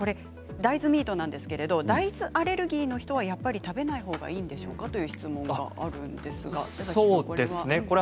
大豆ミートですが大豆アレルギーの人はやっぱり食べないほうがいいんでしょうかという質問があるんですがこれは？